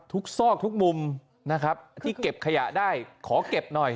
ซอกทุกมุมนะครับที่เก็บขยะได้ขอเก็บหน่อย